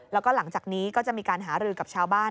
แล้วก็หลังจากนี้ก็จะมีการหารือกับชาวบ้าน